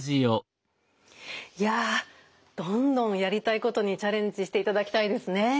いやどんどんやりたいことにチャレンジしていただきたいですね。